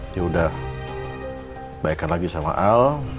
dia udah baikan lagi sama al